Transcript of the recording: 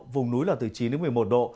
vùng núi là từ chín đến một mươi một độ